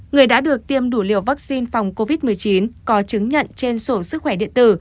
người đã được tiêm đủ liều vaccine phòng covid một mươi chín có chứng nhận trên sổ sức khỏe điện tử